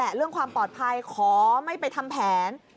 เรื่องความปลอดภัยขอไม่ไปทำแผน